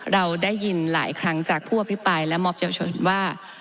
เราได้ยินหลายครั้งจากผู้อภิปรายและมอบเยาวชนว่า